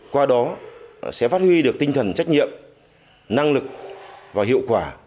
qua đó sẽ phát huy được tinh thần trách nhiệm năng lực và hiệu quả